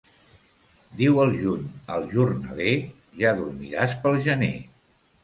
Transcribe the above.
Diu el juny al jornaler: ja dormiràs pel gener.